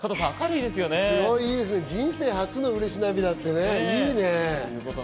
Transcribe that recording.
いいですね、人生初のうれし涙ってね、いいね。